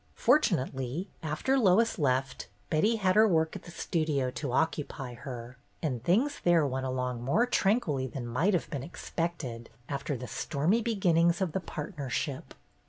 Fortunately, after Lois left, Betty had her work at the Studio to occupy her, and things there went along more tranquilly than might have been expected after the stormy begin nings of the partnership.